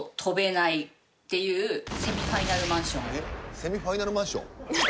セミファイナルマンション？